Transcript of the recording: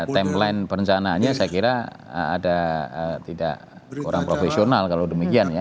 timeline perencanaannya saya kira ada tidak kurang profesional kalau demikian ya